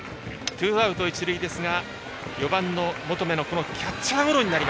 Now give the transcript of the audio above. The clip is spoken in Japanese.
ツーアウト一塁ですが４番の求のキャッチャーゴロ。